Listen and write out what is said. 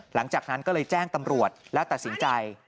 หลังจากนั้นก็เลยแจ้งตำรวจแล้วตัดสินใจ